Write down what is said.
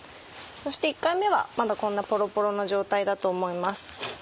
そして１回目はまだこんなポロポロの状態だと思います。